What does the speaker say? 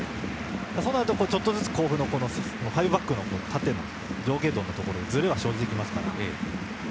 そのあとちょっとずつ甲府のファイブバックの縦の上下動のところにずれが生じていますから。